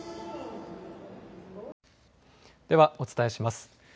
ではお伝えします。